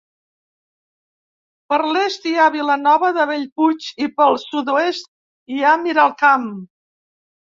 Per l'est hi ha Vilanova de Bellpuig i pel sud sud-oest hi ha Miralcamp.